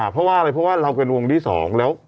เพราะว่าอะไรเพราะว่าเราเป็นวงที่๒แล้ว